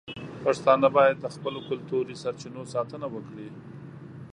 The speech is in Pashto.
پښتانه باید د خپلو کلتوري سرچینو ساتنه وکړي.